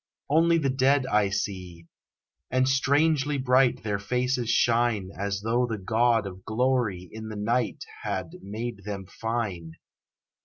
Only the dead I see, and strangely bright Their faces shine As though the God of Glory in the night Had made them fine.